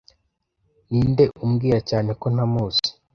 ninde umbwira cyane ko ntamuzi